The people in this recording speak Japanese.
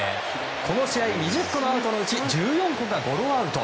この試合、２０個のアウトのうち１４個がゴロアウト。